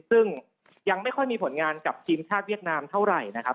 ซึ่งยังไม่ค่อยมีผลงานกับทีมชาติเวียดนามเท่าไหร่นะครับ